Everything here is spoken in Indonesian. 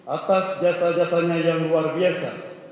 atas jasa jasanya yang luar biasa